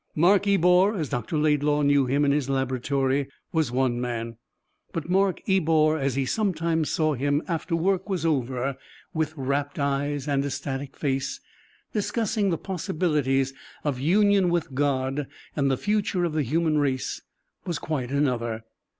Mark Ebor, as Dr. Laidlaw knew him in his laboratory, was one man; but Mark Ebor, as he sometimes saw him after work was over, with rapt eyes and ecstatic face, discussing the possibilities of "union with God" and the future of the human race, was quite another.